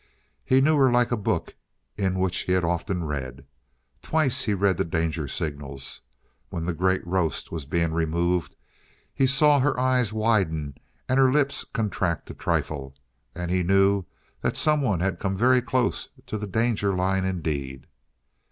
He knew her like a book in which he had often read. Twice he read the danger signals. When the great roast was being removed, he saw her eyes widen and her lips contract a trifle, and he knew that someone had come very close to the danger line indeed.